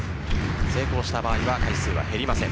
成功した場合は回数は減りません。